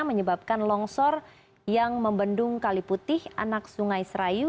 menyebabkan longsor yang membendung kali putih anak sungai serayu